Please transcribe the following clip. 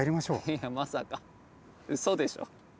いやまさかうそでしょ？